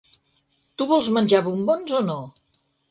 Tu vols menjar bombons o no?